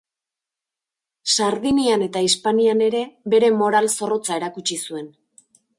Sardinian eta Hispanian ere bere moral zorrotza erakutsi zuen.